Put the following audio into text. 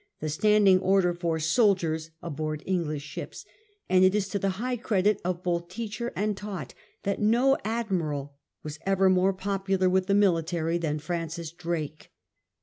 the standing order for soldiers aboard English ships; and it is to the high credit of both teacher and taught that no admiral was ever more popular with the military than Francis Drake.